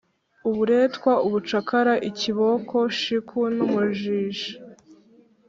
uburetwa, ubucakara, ikiboko, shiku n'umujishi